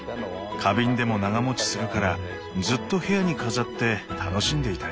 花瓶でも長もちするからずっと部屋に飾って楽しんでいたよ。